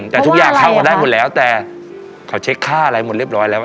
แต่ทุกอย่างเข้ากันได้หมดแล้วแต่เขาเช็คค่าอะไรหมดเรียบร้อยแล้ว